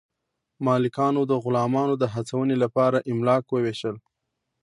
مالکانو د غلامانو د هڅونې لپاره املاک وویشل.